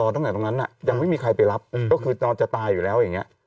ตั้งแต่ตอนนั้นยังวีฮ่ะไปรับนอกคือตอนจนตายอยู่แล้ว